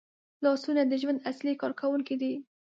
لاسونه د ژوند اصلي کارکوونکي دي